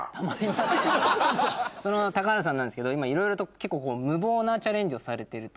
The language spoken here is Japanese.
その原さんなんですけど今いろいろと結構無謀なチャレンジをされてると。